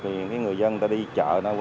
thì người dân đã đi chợ